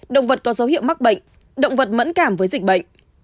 động vật có dấu hiệu mắc bệnh động vật mẫn cảm với dịch bệnh